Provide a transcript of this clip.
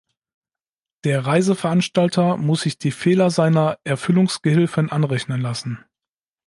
Der Reiseveranstalter muss sich die Fehler seiner Erfüllungsgehilfen anrechnen lassen.